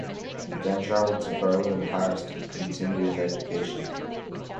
He then travelled to Berlin and Paris to continue his education.